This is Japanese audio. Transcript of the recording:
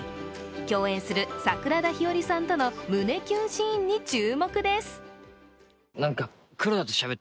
共演する桜田ひよりさんとの胸キュンシーンに注目です。